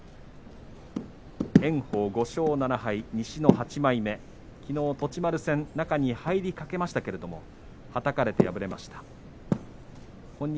炎鵬５勝７敗、西の８枚目きのう栃丸戦中に入りかけましたがはたかれて敗れました。